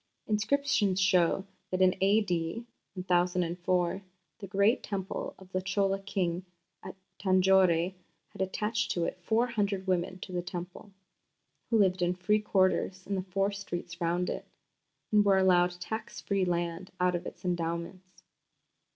Inscriptions show that in A.D. 1004 the great Temple of the Chola king at Tanjore had attached to it four hundred women of the Temple, who lived in free quarters in the four streets round it, and were allowed tax free land out of its endowments.